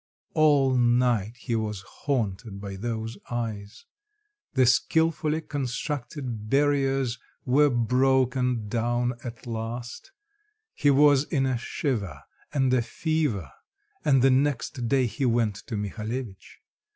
All night he was haunted by those eyes. The skillfully constructed barriers were broken down at last; he was in a shiver and a fever, and the next day he went to Mihalevitch.